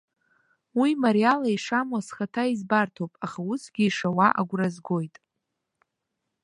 Уи мариала ишамуа схаҭа избарҭоуп, аха усгьы ишауа агәра згоит.